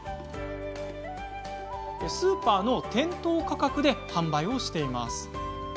スーパーの店頭価格で販売をしています。